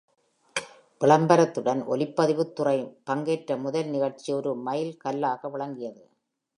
விளம்பரத்துடன் ஒலிப்பதிவுத் துறை பங்கேற்ற முதல் நிகழ்ச்சி ஒரு மைல்கல்லாக விளங்கியது.